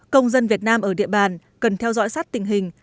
công dân việt nam ở địa bàn cần theo dõi sát tình hình